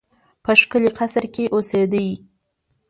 په ښکلي قصر کې اوسېدی.